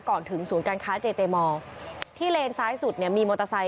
ก่อนถึงศูนย์การค้าเจเจมอร์ที่เลนซ้ายสุดเนี่ยมีมอเตอร์ไซค